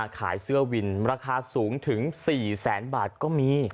ขายเสื้อวินราคาสูงถึง๔แสนบาทก็มี